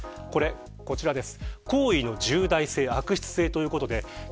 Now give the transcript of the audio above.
こちらです。